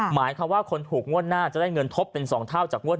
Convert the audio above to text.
หมายความว่าคนถูกงวดหน้าจะได้เงินทบเป็น๒เท่าจากงวด